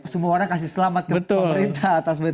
semua orang kasih selamat kepada pemerintah atas btp